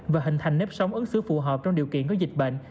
và hình thành nếp sóng ứng xứ phù hợp trong điều kiện có dịch bệnh